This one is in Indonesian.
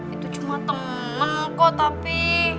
itu cuma temen kok tapi